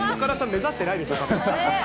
目指してないです。